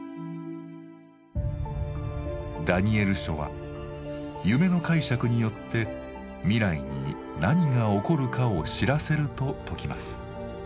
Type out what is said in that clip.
「ダニエル書」は夢の解釈によって未来に「何が起こるかを知らせる」と説きます。